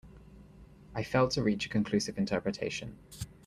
I failed to reach a conclusive interpretation.